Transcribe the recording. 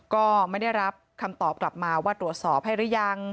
ก็ไม่ได้รับคำตอบกลับมาว่าตรวจสอบให้หรือยัง